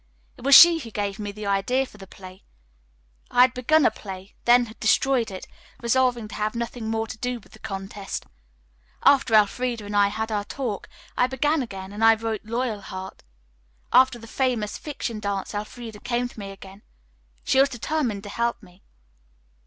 It was she who gave me the idea for the play. I had begun a play, then had destroyed it, resolving to have nothing more to do with the contest. After Elfreda and I had our talk I began again and I wrote 'Loyalheart.' After the Famous Fiction Dance Elfreda came to me again. She was determined to help me."